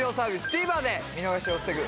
ＴＶｅｒで見逃しを防ぐ